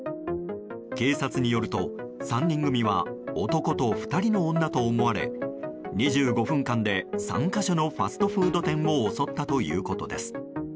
警察によると、３人組は男と２人の女と思われ２５分間で３か所のファストフード店を襲ったということです。